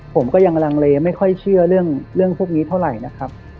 ผมก็ยังลังเลไม่ค่อยเชื่อเรื่องพวกนี้เท่าไหร่นะครับ